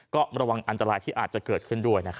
ก็ระวังอันตรายที่อาจจะเกิดขึ้นด้วยนะครับ